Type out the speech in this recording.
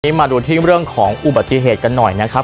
มาดูที่เรื่องของอุบัติเหตุกันหน่อยนะครับ